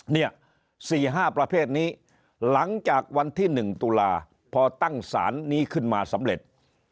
๔๕ประเภทนี้หลังจากวันที่๑ตุลาพอตั้งสารนี้ขึ้นมาสำเร็จ